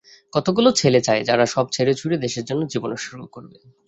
কতকগুলো ছেলে চাই, যারা সব ছেড়েছুড়ে দেশের জন্য জীবন উৎসর্গ করবে।